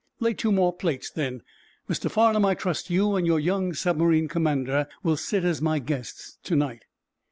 "Lay two more plates, then. Mr. Farnum, I trust you and your young submarine commander will sit as my guests to night."